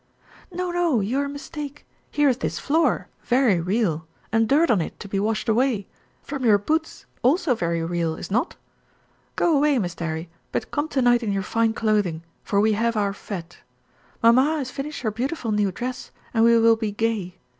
"No, no, you are mistake. Here is this floor, very real, and dirt on it to be washed away, from your boots, also very real, is not? Go away, Mr. 'Arry, but come to night in your fine clothing, for we have our fête. Mamma has finish her beautiful new dress, and we will be gay.